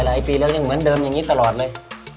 หลายปีแล้วยังเหมือนเดิมอย่างนี้ตลอดเลย